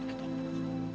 tidak tidak tidak tidak